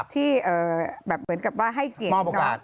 ที่เอ่อแบบเหมือนกับว่าให้เกียรติมอบโอกาส